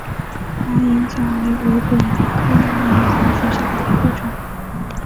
毛颖草为禾本科毛颖草属下的一个种。